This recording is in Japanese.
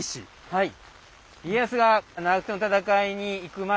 はい。